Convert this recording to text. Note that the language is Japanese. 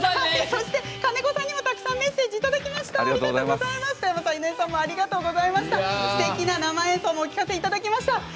金子さんにもたくさんメッセージをいただきました。